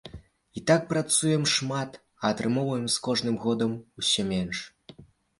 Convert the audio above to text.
І так працуем шмат, а атрымоўваем з кожным годам усе менш.